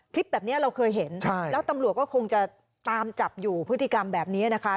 คลิปแบบนี้เราเคยเห็นแล้วตำรวจก็คงจะตามจับอยู่พฤติกรรมแบบนี้นะคะ